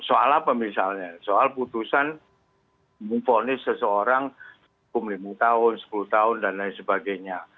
soal apa misalnya soal putusan memfonis seseorang hukum lima tahun sepuluh tahun dan lain sebagainya